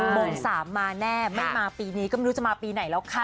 โมง๓มาแน่ไม่มาปีนี้ก็ไม่รู้จะมาปีไหนแล้วค่ะ